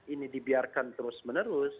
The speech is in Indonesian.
ini dibiarkan terus menerus